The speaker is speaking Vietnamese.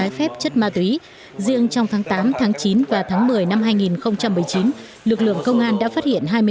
trái phép chất ma túy riêng trong tháng tám tháng chín và tháng một mươi năm hai nghìn một mươi chín lực lượng công an đã phát hiện